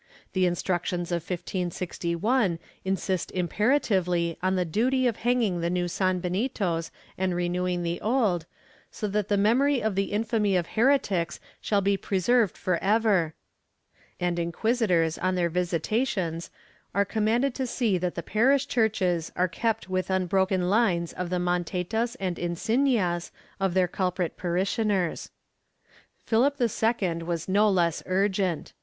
The Instructions of 1561 insist imperatively on the duty of hanging the new sanbenitos and renewing the old, so that the memory of the infamy of heretics shall be preserved for ever, and inquisitors on their visitations are commanded to see that the parish churches are kept with unbroken lines of the mantetas y insinias of their culprit parishioners.^ Philip II was no less urgent.